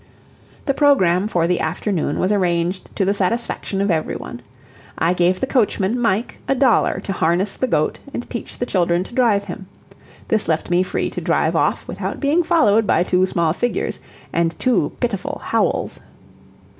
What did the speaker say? The program for the afternoon was arranged to the satisfaction of every one. I gave the coachman, Mike, a dollar to harness the goat and teach the children to drive him; this left me free to drive off without being followed by two small figures and two pitiful howls.